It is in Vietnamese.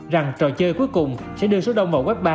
rằng trò chơi cuối cùng sẽ đưa số đông vào web ba